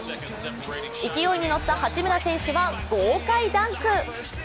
勢いに乗った八村選手は豪快ダンク。